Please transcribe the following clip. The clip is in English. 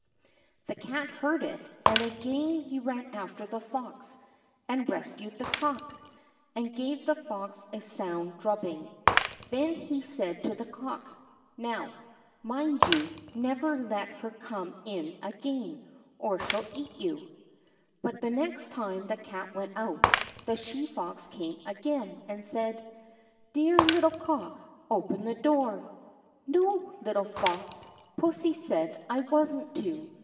The cat heard it, and again he ran after the fox and rescued the cock, and gave the fox a sound drubbing. Then he said to the cock: "Now, mind you, never let her come in again, or she'll eat you." But the next time the cat went out, the she fox came again, and said: "Dear little cock, open the door!" "No, little fox! Pussy said I wasn't to."